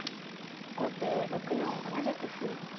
後手６四同じく歩。